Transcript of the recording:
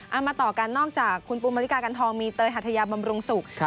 เอามาต่อกันนอกจากคุณปูมริกากันทองมีเตยหัทยาบำรุงศุกร์